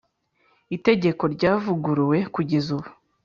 Itegeko ryavuguruwe kugeza ubu